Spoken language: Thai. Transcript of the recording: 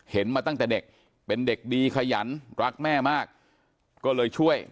มาตั้งแต่เด็กเป็นเด็กดีขยันรักแม่มากก็เลยช่วย